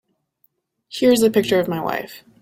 Here's the picture of my wife.